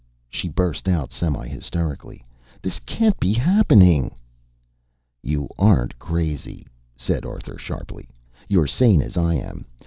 she burst out semihysterically. "This can't be happening!" "You aren't crazy," said Arthur sharply. "You're sane as I am.